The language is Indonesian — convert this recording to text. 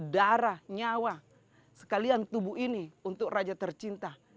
darah nyawa sekalian tubuh ini untuk raja tercinta